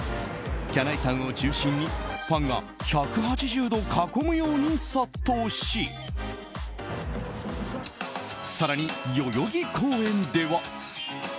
きゃないさんを中心に、ファンが１８０度囲むように殺到し更に代々木公園では。